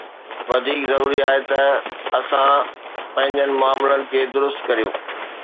وڌيڪ ضروري آهي ته اسان پنهنجن معاملن کي درست ڪريون.